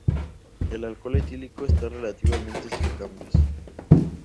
El alcohol etílico está relativamente sin cambios.